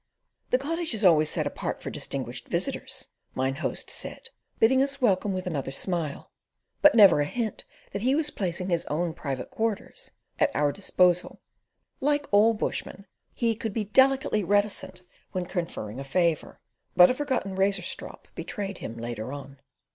"The Cottage is always set apart for distinguished visitors," Mine Host said, bidding us welcome with another smile, but never a hint that he was placing his own private quarters at our disposal. Like all bushmen, he could be delicately reticent when conferring a favour; but a forgotten razor strop betrayed him later on.